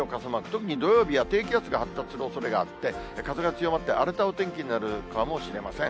特に土曜日は低気圧が発達するおそれがあって、風が強まって、荒れたお天気になるかもしれません。